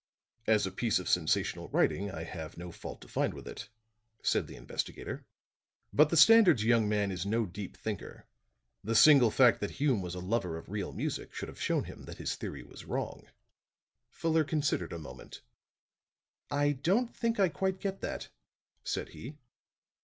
"As a piece of sensational writing, I have no fault to find with it," said the investigator. "But the Standard's young man is no deep thinker. The single fact that Hume was a lover of real music should have shown him that his theory was wrong." Fuller considered a moment. "I don't think I quite get that," said he.